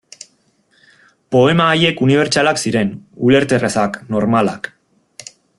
Poema haiek unibertsalak ziren, ulerterrazak, normalak.